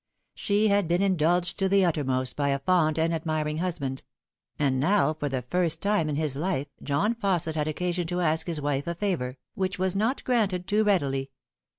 She had been indulged to the uttermost by a fond and admiring husband ; and now for the first time in his life John Fausset had occasion to ask his wife a favour, which was not granted too readily.